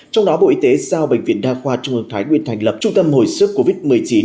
trong đó bộ y tế giao bệnh viện đa khoa trung ương thái nguyên thành lập trung tâm hồi sức covid một mươi chín